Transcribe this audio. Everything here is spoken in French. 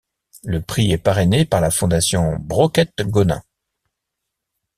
Le prix est parrainé par la Fondation Broquette-Gonin.